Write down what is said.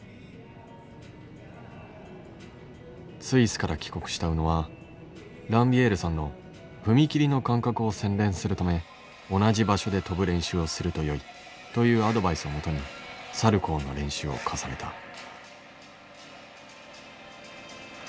スイスから帰国した宇野はランビエールさんの踏み切りの感覚を洗練するため同じ場所で跳ぶ練習をするとよいというアドバイスをもとにサルコーの練習を重ねた。